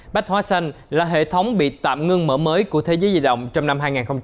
bách hóa xanh là hệ thống bị tạm ngưng mở mới của thế giới di động trong năm hai nghìn hai mươi